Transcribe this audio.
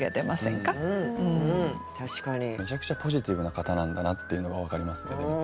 めちゃくちゃポジティブな方なんだなっていうのが分かりますねでも。